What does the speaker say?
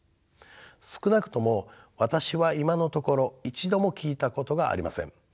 少なくとも私は今のところ一度も聞いたことがありません。